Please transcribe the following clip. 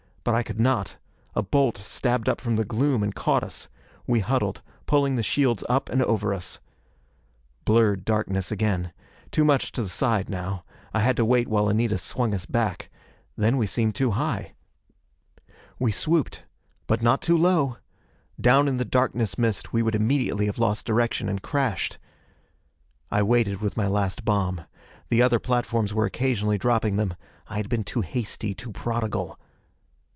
But I could not. A bolt stabbed up from the gloom and caught us. We huddled, pulling the shields up and over us. Blurred darkness again. Too much to the side now. I had to wait while Anita swung us back. Then we seemed too high. We swooped. But not too low! Down in the darkness mist we would immediately have lost direction, and crashed. I waited with my last bomb. The other platforms were occasionally dropping them: I had been too hasty, too prodigal.